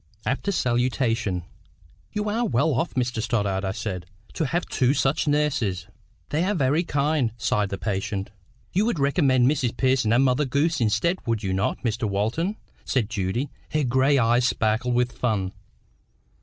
After salutation,— "You are well off, Mr Stoddart," I said, "to have two such nurses." "They are very kind," sighed the patient "You would recommend Mrs Pearson and Mother Goose instead, would you not, Mr Walton?" said Judy, her gray eyes sparkling with fun.